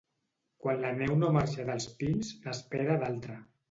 Quan la neu no marxa dels pins, n'espera d'altra.